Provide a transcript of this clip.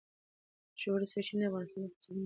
ژورې سرچینې د افغانستان د اقتصادي منابعو ارزښت زیاتوي.